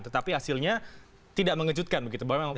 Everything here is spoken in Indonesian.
tetapi hasilnya tidak mengejutkan begitu